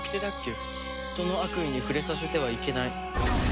人の悪意に触れさせてはいけない。